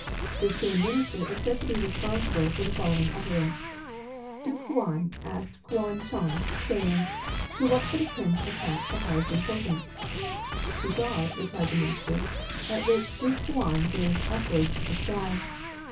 This same Minister is said to be responsible for the following utterance :—'' Duke Euan asked Kuan Chung, saying, To what should a prince attach the highest impor tance ? To God, replied the Minister ; at which Duke Huan gazed upwards to the sky.